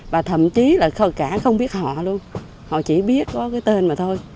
và thậm chí là không biết họ luôn họ chỉ biết có cái tên mà thôi